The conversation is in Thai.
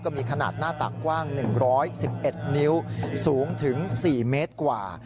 มีขนาดหน้าตักกว้าง๑๑๑นิ้วสูงถึง๔เมตรกว่า